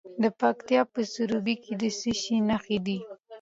د پکتیکا په سروبي کې د څه شي نښې دي؟